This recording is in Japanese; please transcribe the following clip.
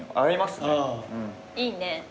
いいね。